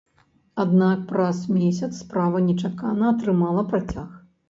Аднак праз месяц справа нечакана атрымала працяг.